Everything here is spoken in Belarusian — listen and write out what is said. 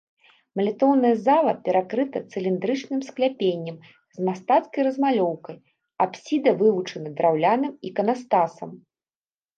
Малітоўная зала перакрыта цыліндрычным скляпеннем з мастацкай размалёўкай, апсіда вылучана драўляным іканастасам.